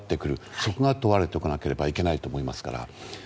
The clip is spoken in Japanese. そこが問われておかなければいけないと思いますから。